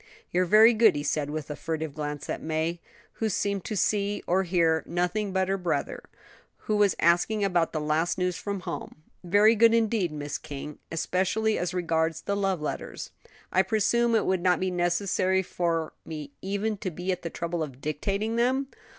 "You're very good," he said, with a furtive glance at May, who seemed to see or hear nothing but her brother, who was asking about the last news from home; "very good indeed, Miss King; especially as regards the love letters. I presume it would not be necessary for me even to be at the trouble of dictating them?"